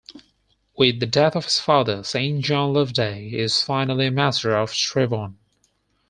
With the death of his father, Saint John Loveday is finally master of Trevowan.